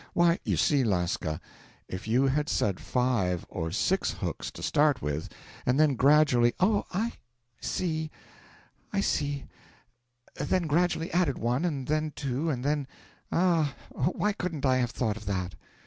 Why ' 'You see, Lasca, if you had said five or six hooks, to start with, and then gradually ' 'Oh, I see, I see then gradually added one, and then two, and then ah, why couldn't I have thought of that!'